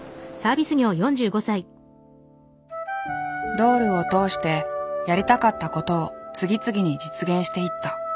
ドールを通してやりたかったことを次々に実現していった。